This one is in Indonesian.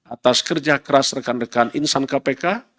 atas kerja keras rekan rekan insan kpk